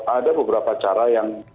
ada beberapa cara yang